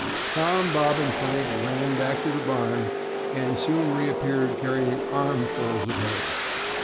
Tom, Bob, and Frank ran back to the barn and soon reappeared, carrying armfuls of hay.